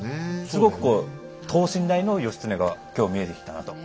すごくこう等身大の義経が今日見えてきたなと。